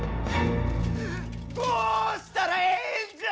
どうしたらええんじゃあ！